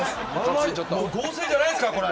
合成じゃないですか、これ。